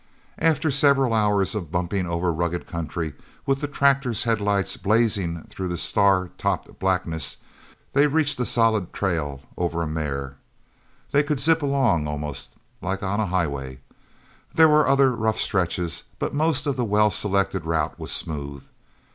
After several hours of bumping over rugged country, with the tractor's headlights blazing through the star topped blackness, they reached a solid trail over a mare. Then they could zip along, almost like on a highway. There were other rough stretches, but most of the well selected route was smooth.